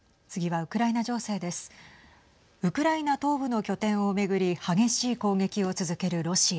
ウクライナ東部の拠点を巡り激しい攻撃を続けるロシア。